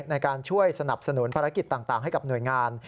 ในการช่วยสนับสนุนภารกิจต่างให้กับหน่วยงาน